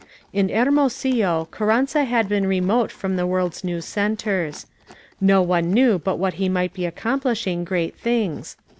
In Hermosillo Carranza had been remote from the world's new centers. No one knew but what he might be accomplishing great things.